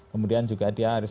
kemudian juga dia harus